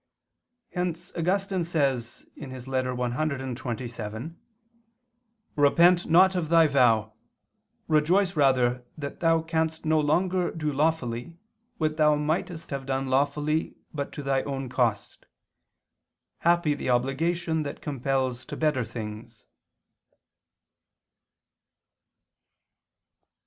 Hence Augustine says (Ep. cxxvii ad Paulin. et Arment.): "Repent not of thy vow; rejoice rather that thou canst no longer do lawfully, what thou mightest have done lawfully but to thy own cost. Happy the obligation that compels to better things."